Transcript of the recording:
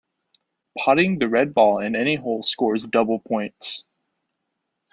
Potting the red ball in any hole scores double points.